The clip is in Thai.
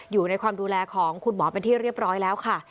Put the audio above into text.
อยู่ในความดูแลของคุณหมอเป็นที่เรียบร้อยแล้วค่ะ